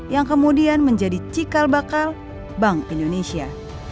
yang kemudian menjadi cikal bakal bank indonesia